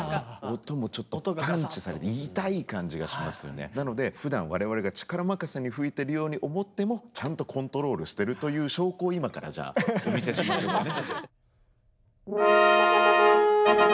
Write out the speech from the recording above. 音もちょっとパンチされてなのでふだん我々が力任せに吹いてるように思ってもちゃんとコントロールしてるという証拠を今からじゃあお見せしましょうかね。